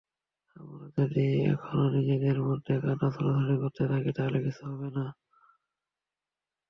আমরা যদি এখনো নিজেদের মধ্যে কাদা-ছোড়াছুড়ি করতে থাকি, তাহলে কিছু হবে না।